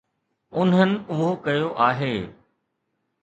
انهن اهو ڪيو آهي.